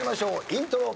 イントロ。